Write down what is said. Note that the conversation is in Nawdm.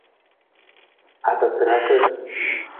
Atatarasa.